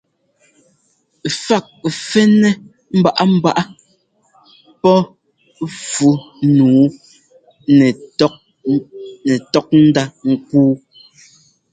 Fák fɛ́nɛ́ mbaꞌámbaꞌá pɔ́ fú nǔu nɛtɔ́kndá ŋ́kúu.